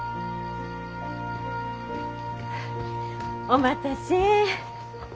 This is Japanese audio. お待たせ。